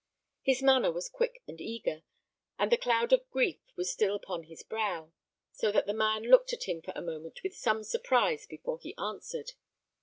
His manner was quick and eager, and the cloud of grief was still upon his brow, so that the man looked at him for a moment with some surprise before he answered.